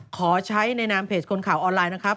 ขอใช้ในนามเพจคนข่าวออนไลน์นะครับ